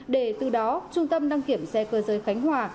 để từ đó trung tâm đăng kiểm xe cơ giới khánh hòa